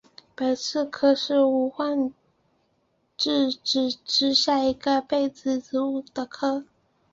白刺科是无患子目之下一个被子植物的科。